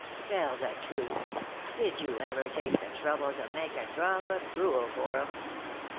Tell the truth, did you ever take the trouble to make a drop of gruel for 'era